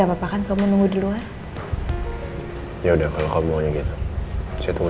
waalaikumsalam warahmatullahi wabarakatuh